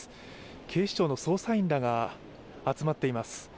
警視庁の捜査員らが集まっています。